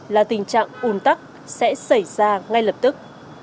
là tình trạng ùn tắc sẽ xảy ra ngay lập tức